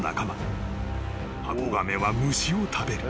［ハコガメは虫を食べる。